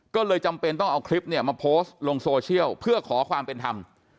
ก็เลยจำเป็นต้องเอาคลิปเนี่ยมาโพสต์ลงโซเชียลเพื่อขอความเป็นธรรม